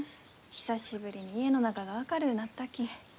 久しぶりに家の中が明るうなったき。